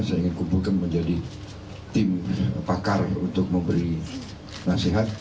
saya ingin kumpulkan menjadi tim pakar untuk memberi nasihat